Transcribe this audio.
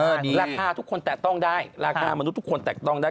ราคาทุกคนแตะต้องได้ราคามนุษย์ทุกคนแตะต้องได้